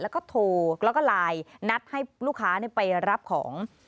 แล้วก็โทรแล้วก็ไลน์นัดให้ลูกค้าไปรับของ